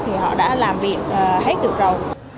thì họ đã làm việc hết được rồi